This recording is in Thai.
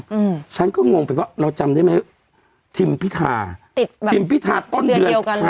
อืมฉันก็งงไปว่าเราจำได้ไหมทิมพิธาติดทิมพิธาต้นเดือนเดียวกันฮะ